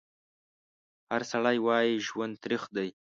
هر سړی وایي ژوند تریخ دی